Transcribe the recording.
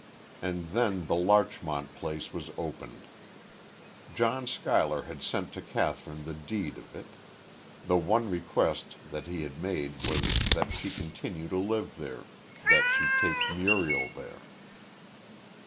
And then the Larchmont place was opened. John Schuyler had sent to Kathryn the deed of it; the one request that he had made was that she continue to live there that she take Muriel there.